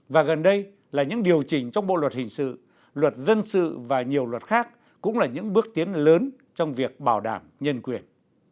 và gần đây là những điều chỉnh trong bộ luật hình sự luật dân sự và nhiều luật khác cũng là những bước tiến lớn trong việc bảo đảm nhân quyền